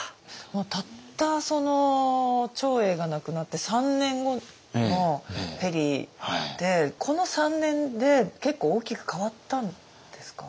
たったその長英が亡くなって３年後のペリーでこの３年で結構大きく変わったんですか？